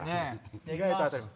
意外と当たります。